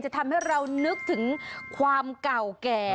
ทำให้เรานึกถึงความเก่าแก่